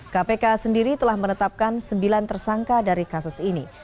kpk sendiri telah menetapkan sembilan tersangka dari kasus ini